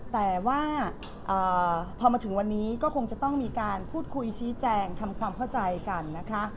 แต่ว่าพอมาถึงวันนี้ก็คงจะต้องมีการพูดคุยชี้แจงทำความเข้าใจกันนะคะ